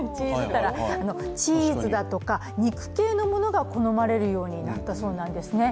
チーズだとか、肉系のものが好まれるようになったそうなんですね。